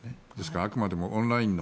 あくまでもオンラインの。